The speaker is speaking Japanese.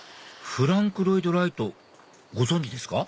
フランク・ロイド・ライトご存じですか？